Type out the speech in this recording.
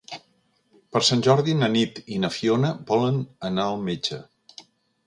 Per Sant Jordi na Nit i na Fiona volen anar al metge.